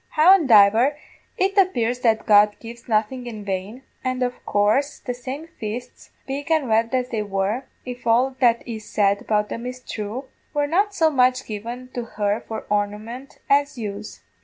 Howandiver, it appears that God gives nothing in vain, and of coorse the same fists, big and red as they were, if all that is said about them is thrue, were not so much given to her for ornament as use.